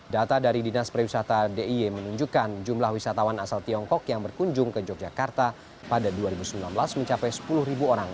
data dari dinas perwisata d i y menunjukkan jumlah wisatawan asal tiongkok yang berkunjung ke yogyakarta pada dua ribu sembilan belas mencapai sepuluh orang